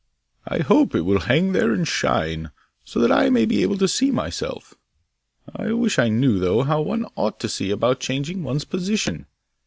I hope it will hang there and shine, so that I may be able to see myself. I wish I knew, though, how one ought to see about changing one's position.